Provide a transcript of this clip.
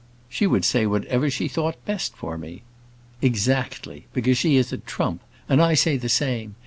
"She would say whatever she thought best for me." "Exactly: because she is a trump. And I say the same.